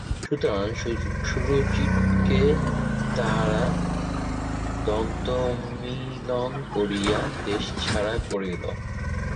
সুতরাং সুরুচিকে তাহারা দন্তোন্মীলন করিয়া দেশছাড়া করিল।